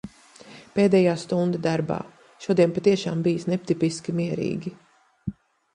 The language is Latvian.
Pēdējā stunda darbā. Šodien patiešām bijis netipiski mierīgi.